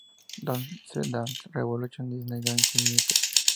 Dance Dance Revolution Disney Dancing Museum